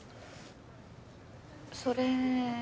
それ。